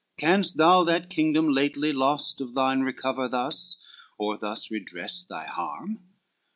Canst thou that kingdom lately lost of thine Recover thus, or thus redress thy harm?